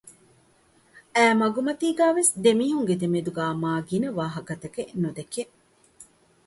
އައި މަގުމަތީގައިވެސް ދެމީހުންގެ ދެމެދުގައި މާ ގިނަ ވާހަކަތަކެއް ނުދެކެވެ